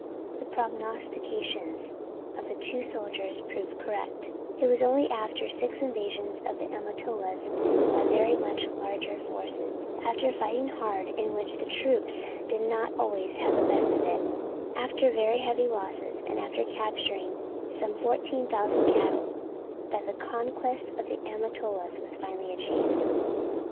The prognostications of the two soldiers proved correct; it was only after six invasions of the Amatolas by very much larger forces, after hard fighting, in which the troops did not always have the best of it, after very heavy losses, and after capturing some 14,000 cattle, that the conquest of the Amatolas was finally achieved.